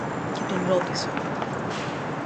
Και τον ρώτησα: